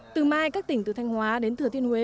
từ mai các tỉnh từ thanh hóa đến thừa thiên huế